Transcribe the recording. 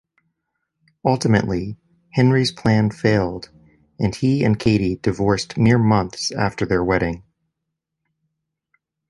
Ultimately, Henry's plan failed, and he and Katie divorced mere months after their wedding.